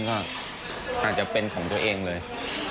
ก็อาจจะเป็นของตัวเองเลย